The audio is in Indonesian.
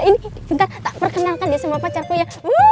ini juga tak perkenalkan ya sama pacarku ya